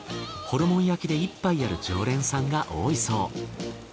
ホルモン焼きで１杯やる常連さんが多いそう。